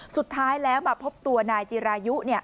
สุดท้ายแล้วมาพบตัวนายจิรายุ